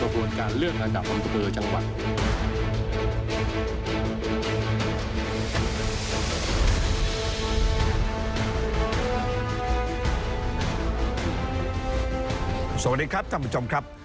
สวัสดีครับท่านผู้ชมครับ